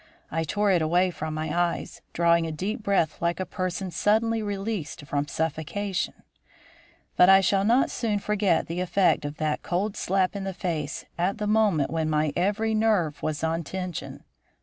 I tore it away from my eyes, drawing a deep breath like a person suddenly released from suffocation; but I shall not soon forget the effect of that cold slap in the face at the moment when my every nerve was on tension.